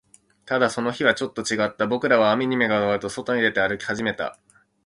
ただ、その日はちょっと違った。僕らはアニメが終わると、外に出て、歩き始めた。